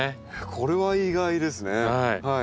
これは意外ですね。